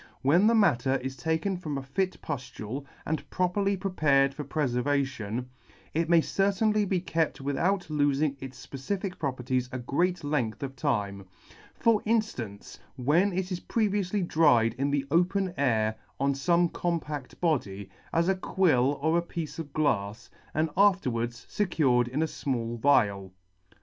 When the matter is taken from a fit puftule, and properly prepared for prefervation, it may certainly be kept without lofing its fpecific properties a great length of time j for inftance, when it is pre vioufly dried in the open air on fome compact body, as a quill or a piece of glafs, and afterwards fecured in a fmall vial*.